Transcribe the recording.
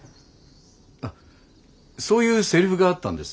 あっそういうセリフがあったんです。